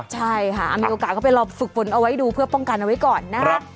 ใช่ค่ะมีโอกาสก็ไปลองฝึกฝนเอาไว้ดูเพื่อป้องกันเอาไว้ก่อนนะคะ